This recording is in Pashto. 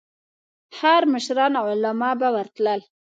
ښار مشران او علماء به ورتلل.